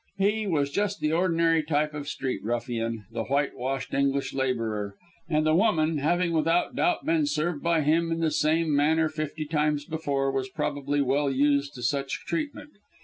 He was just the ordinary type of street ruffian the whitewashed English labourer and the woman, having without doubt been served by him in the same manner fifty times before, was probably well used to such treatment.